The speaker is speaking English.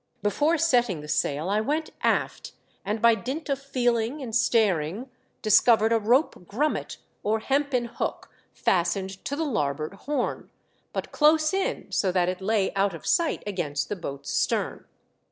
Before setting the sail I went aft, and by dint of feeling and staring discovered a rope grummet or hempen hook fastened to the larboard horn, but close in, so that it lay out of sight against the boat's stern.